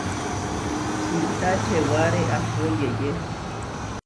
Kuitá čewaré ahpó yeʼyé.